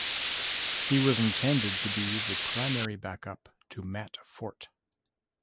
He was intended to be the primary backup to Matt Forte.